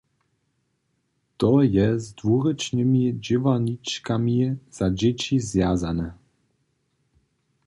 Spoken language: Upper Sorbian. To je z dwurěčnymi dźěłarničkami za dźěći zwjazane.